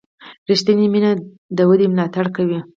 ریښتینې مینه د ودې ملاتړ کوي.